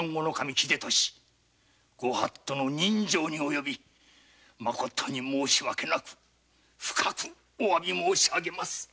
ご法度の刃傷に及びまことに申し訳なく深くおわび申しあげます。